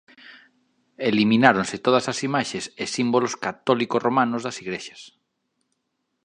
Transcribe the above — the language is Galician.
Elimináronse todas as imaxes e símbolos católico romanos das igrexas.